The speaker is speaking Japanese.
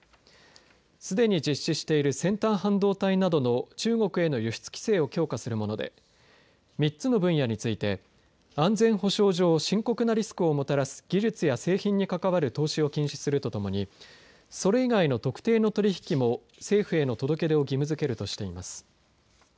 すでに実施している先端半導体などの中国への輸出規制を強化するもので３つの分野について安全保障上深刻なリスクをもたらす技術や製品に関わる投資を禁止するとともにそれ以外の特定の取り引きも政府への届け出を義務づけるとしています。